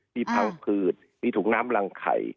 มีพังผืดมีถุงน้ำรังไข่